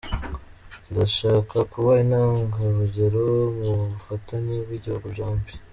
Kirashaka kuba intangarugero mu bufatanye bw’ibihugu byombi.